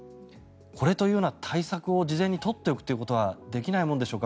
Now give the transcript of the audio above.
これという対策を事前に取っておくということはできないものでしょうか？